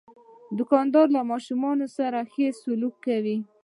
دوکاندار له ماشومان سره ښه سلوک کوي.